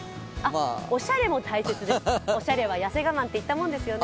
おしゃれも大切です、おしゃれはやせ我慢と言ったもんですよね。